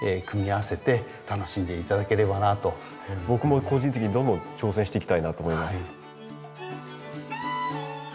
僕も個人的にどんどん挑戦していきたいなと思います。